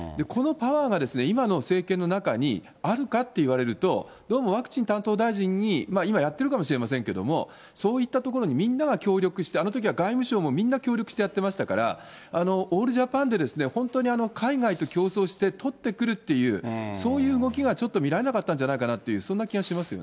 このパワーが、今の政権の中にあるかっていわれると、どうもワクチン担当大臣に、今やってるかもしれませんけど、そういったところにみんなが協力して、あのときは外務省もみんな協力してやってましたから、オールジャパンで、本当に海外と競争して取ってくるっていう、そういう向きが見られなかったんじゃないかなと、そんな気がしま